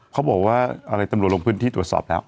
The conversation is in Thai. เขาบอกว่าต็อมโหระบบลงพื้นที่ตรวจสอบแล้ว